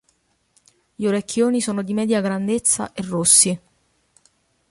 Gli orecchioni sono di media grandezza e rossi.